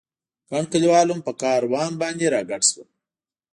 ګڼ کلیوال هم په کاروان باندې را ګډ شول.